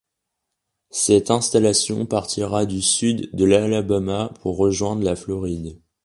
Cette installation partira du sud de l'Alabama pour rejoindre la Floride.